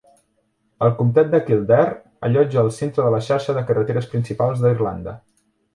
El comtat de Kildare allotja el centre de la xarxa de carreteres principals d'Irlanda.